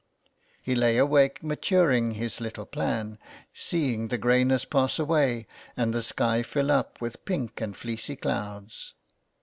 He lay awake maturing his little plan, seeing the greyness pass away and the sky fill up with pink and fleecy clouds.